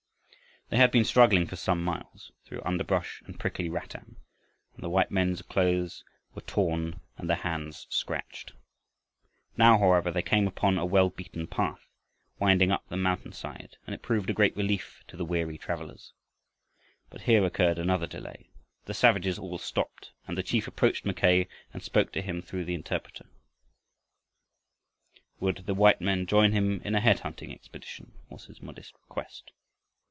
They had been struggling for some miles through underbrush and prickly rattan and the white men's clothes were torn and their hands scratched. Now, however, they came upon a well beaten path, winding up the mountainside, and it proved a great relief to the weary travelers. But here occurred another delay. The savages all stopped, and the chief approached Mackay and spoke to him through the interpreter. Would the white man join him in a head hunting expedition, was his modest request.